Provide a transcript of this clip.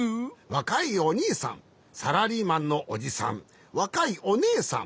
わかいおにいさんサラリーマンのおじさんわかいおねえさん。